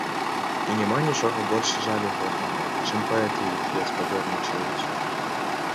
І няма нічога больш жалю годнага, чым паэты, якія спаборнічаюць.